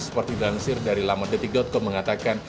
seperti dilansir dari lamandetik com mengatakan